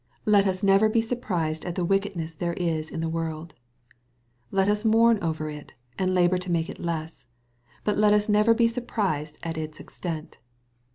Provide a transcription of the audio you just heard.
388 KO»OSlTOfiT THOUGHTS. Let U8 nerer be surprised at the wickedness there is in the world. Let us mourn over it, and labor to make it less, but let us never be surprised at its extent.